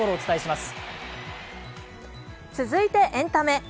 続いてエンタメ。